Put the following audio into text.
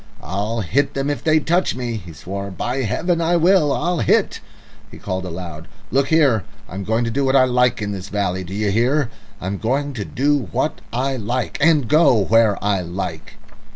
"I'll hit them if they touch me," he swore; "by Heaven, I will. I'll hit." He called aloud, "Look here, I'm going to do what I like in this valley. Do you hear? I'm going to do what I like and go where I like!"